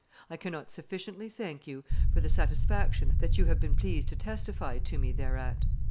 I cannot sufficiently thank you for the satisfaction that you have been pleased to testify to me thereat.